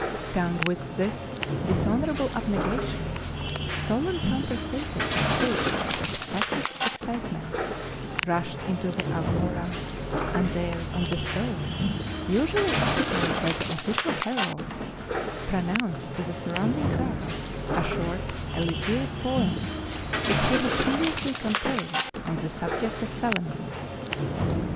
Stung with this dishonorable abnegation, Solon counterfeited a state of ecstatic excitement, rushed into the agora, and there on the stone usually occupied by the official herald, pronounced to the surrounding crowd a short elegiac poem which he had previously composed on the subject of Salamis.